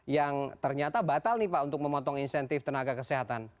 yang ternyata batal nih pak untuk memotong insentif tenaga kesehatan